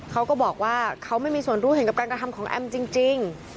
เขาก็บอกว่าเขาไม่มีส่วนรู้เห็นกับการกระทำของแอมจริง